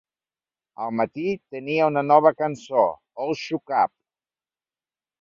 Al matí, tenia una nova cançó, "All Shook Up".